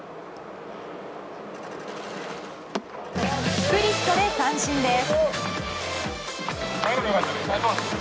スプリットで三振です。